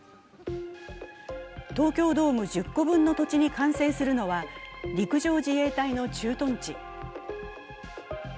東京ドーム１０個分の土地に完成するのは陸上自衛隊の駐屯地。